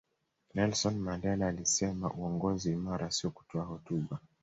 nelson mandela alisema uongozi imara siyo kutoa hotuba